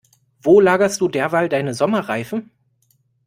Wo lagerst du derweil deine Sommerreifen?